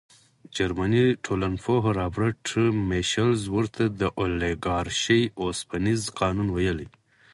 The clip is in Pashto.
جرمني ټولنپوه رابرټ میشلز ورته د اولیګارشۍ اوسپنیز قانون ویلي.